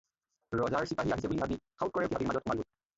ৰজাৰ চিপাহী আহিছে বুলি ভাবি সাউৎকৰে উঠি হাবিৰ মাজত সোমালগৈ।